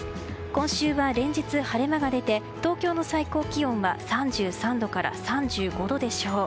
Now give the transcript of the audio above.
今週は連日晴れ間が出て東京の最高気温は３３度から３５度でしょう。